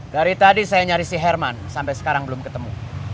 dari tadi saya nyari si herman sampai sekarang belum ketemu